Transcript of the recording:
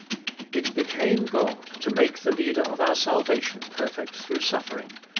It became God to make the Leader of our salvation perfect through suffering (ii.